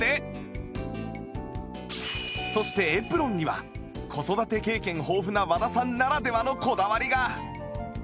そしてエプロンには子育て経験豊富な和田さんならではのこだわりが